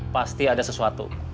pasti ada sesuatu